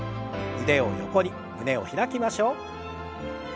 腕を横に胸を開きましょう。